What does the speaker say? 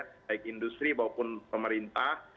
baik industri maupun pemerintah